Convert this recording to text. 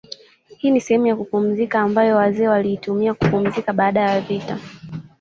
Hii ni sehemu ya kupumzika ambayo wazee waliitumia kupumzika baada ya vita